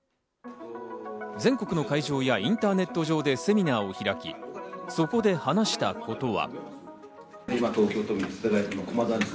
全国の会場やインターネット上でセミナーを開き、そこで話したことは。